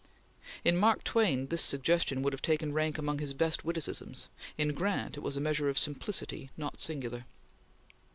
In Mark Twain, this suggestion would have taken rank among his best witticisms; in Grant it was a measure of simplicity not singular.